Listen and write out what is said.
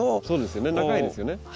そうですよね。